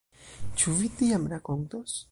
Ĉu vi tiam rakontos?